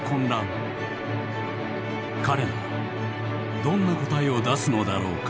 彼ならどんな答えを出すのだろうか？